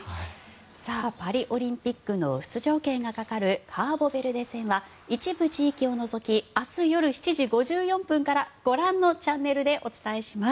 パリオリンピックの出場権がかかるカーボベルデ戦は一部地域を除き明日夜７時５４分からご覧のチャンネルでお伝えします。